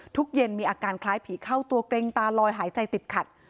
เย็นมีอาการคล้ายผีเข้าตัวเกร็งตาลอยหายใจติดขัด